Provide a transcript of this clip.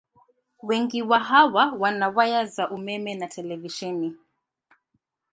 Wengi wa hawa wana waya za umeme na televisheni.